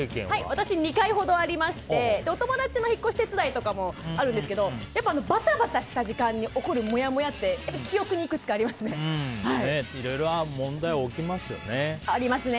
私、２回ほどありましてお友達の引っ越し手伝いとかもあるんですけどやっぱりバタバタした時間に起こるモヤモヤって記憶にいくつかありますね。ありますね。